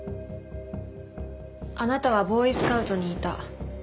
あなたはボーイスカウトにいた。